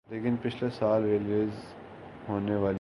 لیکن پچھلے سال ریلیز ہونے والی